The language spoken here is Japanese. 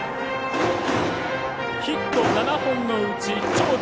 ヒット７本のうち長打